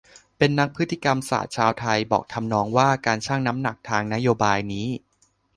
เป็นนักพฤติกรรมศาสตร์ชาวไทย บอกทำนองว่า การชั่งน้ำหนักทางนโยบายนี้